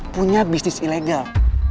punya bisnis ilegal